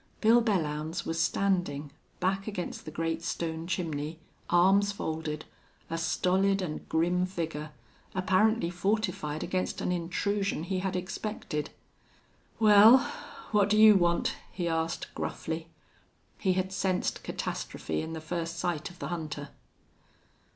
Bill Belllounds was standing, back against the great stone chimney, arms folded, a stolid and grim figure, apparently fortified against an intrusion he had expected. "Wal, what do you want?" he asked, gruffly. He had sensed catastrophe in the first sight of the hunter.